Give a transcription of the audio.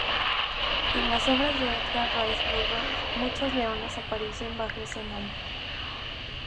En las obras de Edgar Rice Burroughs muchas leonas aparecen bajo ese nombre.